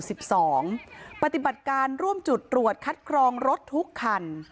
ปฏิบัติการร่วมจุดตรวจคัดกรองรถทุกคัน